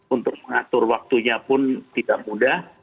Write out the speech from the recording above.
untuk mengatur waktunya pun tidak mudah